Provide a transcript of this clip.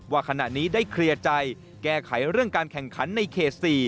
ว่าขณะนี้ได้เคลียร์ใจแก้ไขเรื่องการแข่งขันในเขต๔